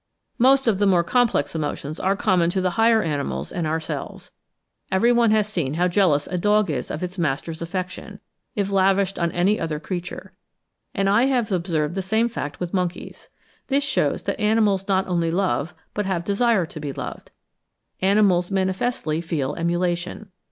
Most of the more complex emotions are common to the higher animals and ourselves. Every one has seen how jealous a dog is of his master's affection, if lavished on any other creature; and I have observed the same fact with monkeys. This shews that animals not only love, but have desire to be loved. Animals manifestly feel emulation.